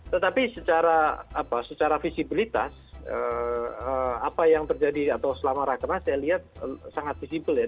tetapi secara visibilitas apa yang terjadi atau selama rakernas saya lihat sangat visible ya